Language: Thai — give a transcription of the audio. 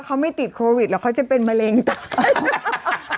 เขาไม่ติดโควิดหรอกเขาจะเป็นมะเร็งต่อ